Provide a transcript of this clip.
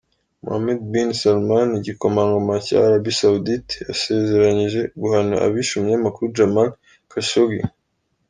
Mohammed bin Salman, igikomangoma cya Arabie Saoudite, yasezeranyije guhana 'abishe' umunyamakuru Jamal Khashoggi.